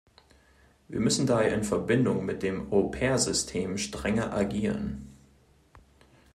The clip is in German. Wir müssen daher in Verbindung mit dem Au-Pair-System strenger agieren.